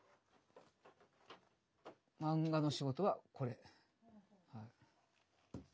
漫画の仕事はこれ。